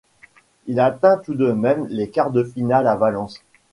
Il atteint tout de même les quarts de finale à Valence.